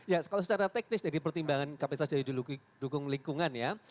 ya kalau secara teknis dari pertimbangan kapasitas dari ideologi dukung lingkungan ya